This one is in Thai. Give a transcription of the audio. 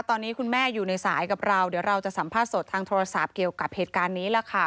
ตอนนี้คุณแม่อยู่ในสายกับเราเดี๋ยวเราจะสัมภาษณ์สดทางโทรศัพท์เกี่ยวกับเหตุการณ์นี้ล่ะค่ะ